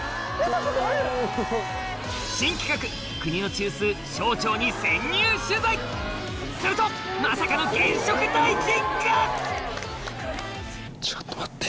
・新企画国の中枢省庁に潜入取材するとまさかの現職大臣が！